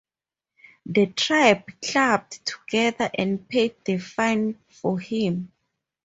The tribe clubbed together and paid the fine for him.